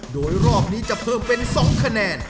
โดยรอบนี้จะเพิ่มเป็น๒คะแนน